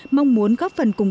mong muốn góp phần cùng